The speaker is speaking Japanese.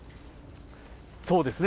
そうですね。